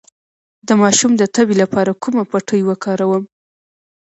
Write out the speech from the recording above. د ماشوم د تبې لپاره کومه پټۍ وکاروم؟